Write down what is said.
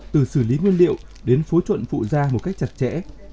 từ xử lý nguyên liệu đến phối chuẩn phụ gia một cách chặt chẽ